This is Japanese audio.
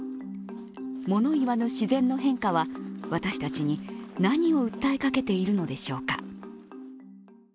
物言わぬ自然の変化は私たちに何を訴えかけているのでしょうか。